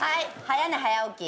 早寝早起き。